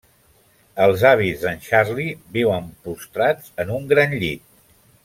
Els avis d'en Charlie viuen postrats en un gran llit.